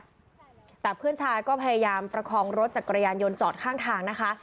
เธอหนึ่งนัดแต่เพื่อนชายก็พยายามประคองรถจากกระยานยนต์จอดข้างทางนะคะ